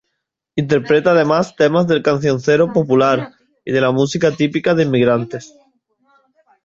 Interpreta además temas del cancionero popular y de la música típica de inmigrantes.